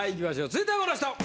続いてはこの人。